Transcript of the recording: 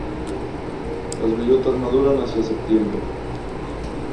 Las bellotas maduran hacia septiembre.